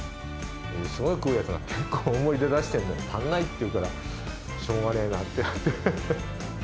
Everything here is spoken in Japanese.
すごく食うやつが、結構大盛り出しても足んないって言うから、しょうがねぇなってなって。